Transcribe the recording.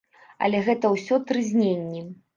Але гэта ўсё трызненні.